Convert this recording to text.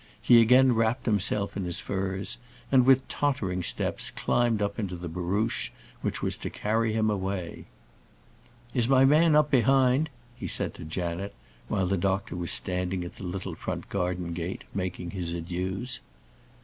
He again wrapped himself in his furs, and, with tottering steps, climbed up into the barouche which was to carry him away. "Is my man up behind?" he said to Janet, while the doctor was standing at the little front garden gate, making his adieux.